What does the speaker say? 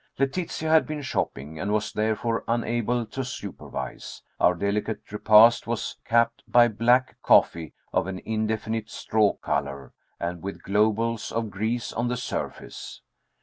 Letitia had been shopping, and was therefore unable to supervise. Our delicate repast was capped by "black" coffee of an indefinite straw color, and with globules of grease on the surface.